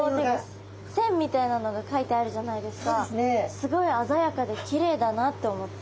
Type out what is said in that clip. すごい鮮やかできれいだなって思って。